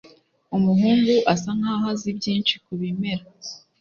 Umuhungu asa nkaho azi byinshi kubimera.